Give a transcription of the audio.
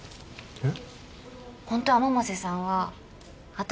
えっ？